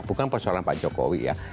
bukan persoalan pak jokowi ya